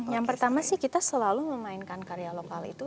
yang pertama sih kita selalu memainkan karya lokal itu